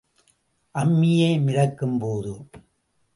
அம்மியே மிதக்கும் போது.